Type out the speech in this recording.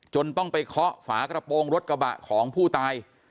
ต้องไปเคาะฝากระโปรงรถกระบะของผู้ตาย